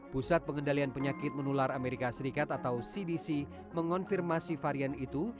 pusat pengendalian penyakit menular amerika serikat atau cdc mengonfirmasi varian itu